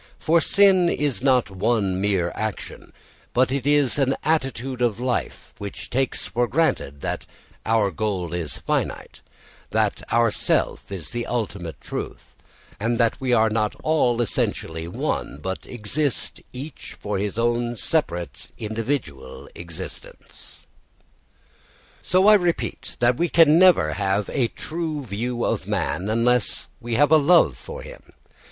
For sin is not one mere action, but it is an attitude of life which takes for granted that our goal is finite, that our self is the ultimate truth, and that we are not all essentially one but exist each for his own separate individual existence. So I repeat we never can have a true view of man unless we have a love for him.